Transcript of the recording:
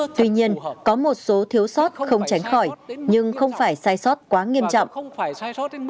tuy nhiên có một số thiếu sót không tránh khỏi nhưng không phải sai sót quá nghiêm trọng